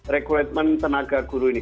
regulatmen tenaga guru ini